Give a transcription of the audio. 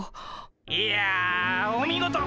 いやお見事！